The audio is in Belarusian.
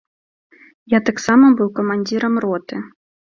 Я таксама быў камандзірам роты.